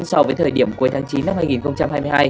so với thời điểm cuối tháng chín năm hai nghìn hai mươi hai